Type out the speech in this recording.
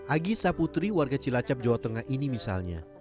agi saputri warga cilacap jawa tengah ini misalnya